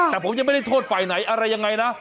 แต่ผมยังไม่ได้โทษฝ่ายไหนอะไรยังไงนะ